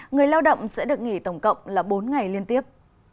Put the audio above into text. người lao động sẽ được nghỉ tổng cộng là bốn ngày liên tiếp